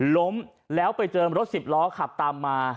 ล้มแล้วไปเจอรถสิบล้อขับตามมา